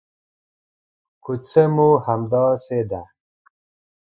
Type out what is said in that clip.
کوڅه مو همداسې ده.